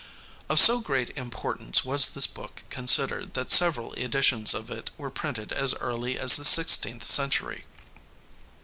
Of so great importance was this book considered that several editions of it were printed as early as the sixteenth century.